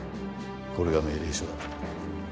「これが命令書だ」